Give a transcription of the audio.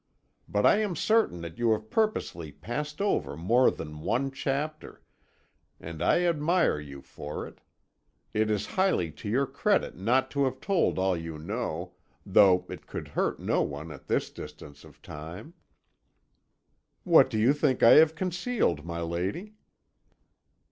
But I am certain that you have purposely passed over more than one chapter, and I admire you for it. It is highly to your credit not to have told all you know, though it could hurt no one at this distance of time." "What do you think I have concealed, my lady?"